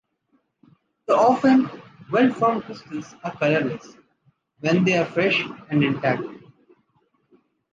The often well-formed crystals are colorless when they are fresh and intact.